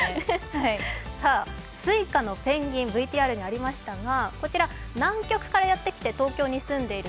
Ｓｕｉｃａのペンギン、ＶＴＲにありましたが、こちら南極からやってきて東京に住んでいる